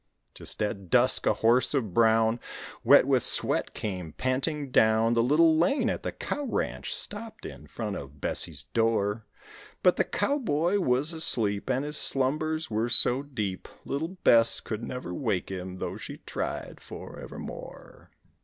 Just at dusk a horse of brown Wet with sweat came panting down The little lane at the cow ranch, stopped in front of Bessie's door; But the cowboy was asleep, And his slumbers were so deep, Little Bess could never wake him though she tried for evermore.